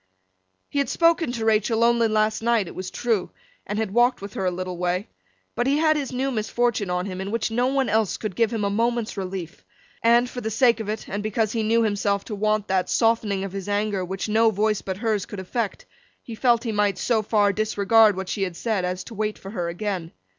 He had spoken to Rachael only last night, it was true, and had walked with her a little way; but he had his new misfortune on him, in which no one else could give him a moment's relief, and, for the sake of it, and because he knew himself to want that softening of his anger which no voice but hers could effect, he felt he might so far disregard what she had said as to wait for her again.